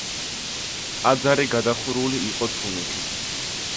ტაძარი გადახურული იყო თუნუქით.